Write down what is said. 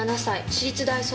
私立大卒。